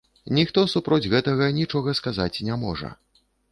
Ніхто супроць гэтага нічога сказаць не можа.